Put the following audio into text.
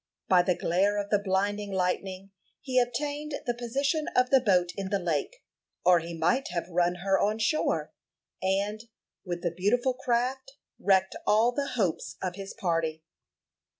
By the glare of the blinding lightning he obtained the position of the boat in the lake, or he might have run her on shore, and, with the beautiful craft, wrecked all the hopes of his party.